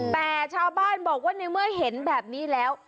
แต่ชาวบ้านบอกว่าในเมื่อเห็นแบบนี้แล้ว